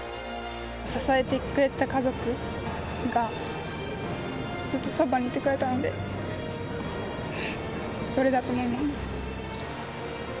支えてくれた家族がずっとそばにいてくれたので、それだと思います。